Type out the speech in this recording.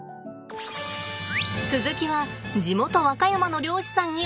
続きは地元和歌山の漁師さんにお聞きします。